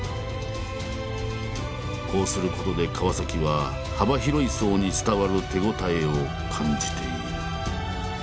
こうすることで川は幅広い層に伝わる手応えを感じている。